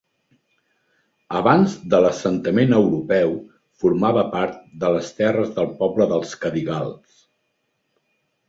Abans de l'assentament europeu, formava part de les terres del poble dels cadigals.